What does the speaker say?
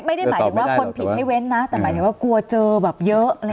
ไม่ได้หมายถึงว่าคนผิดให้เว้นนะแต่หมายถึงว่ากลัวเจอเยอะอะไรอย่างนี้ค่ะ